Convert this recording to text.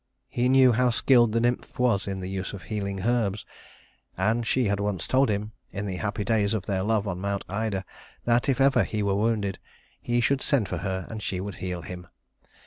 He knew how skilled the nymph was in the use of healing herbs, and she had once told him, in the happy days of their love on Mount Ida, that if he ever were wounded, he should send for her and she would heal him.